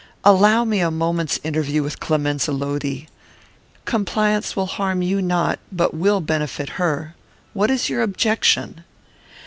Allow me a moment's interview with Clemenza Lodi. Compliance will harm you not, but will benefit her. What is your objection?"